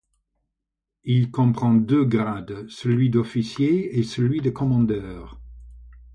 Il comprend deux grades, celui d'officier et celui de commandeur.